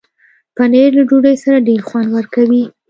پنېر له ډوډۍ سره ډېر خوند ورکوي.